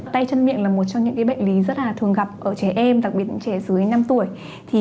tay chân miệng là một trong những bệnh lý rất thường gặp ở trẻ em đặc biệt những trẻ dưới năm tuổi